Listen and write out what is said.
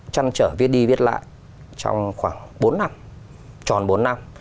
chăn trở viết đi viết lại trong khoảng bốn năm tròn bốn năm